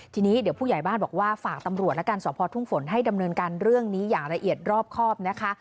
ทีนี้เดี๋ยวผู้ใหญ่บ้านบอกว่าฝากตำรวจแล้วกันสอบพอทุ่งฝนให้ดำเนินการเรื่องนี้อย่างละเอียดรอบครอบนะคะ